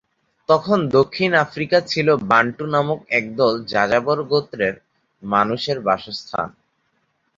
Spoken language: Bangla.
তখন দক্ষিণ আফ্রিকা ছিল বান্টু নামক একদল যাযাবর গোত্রের মানুষের বাসস্থান।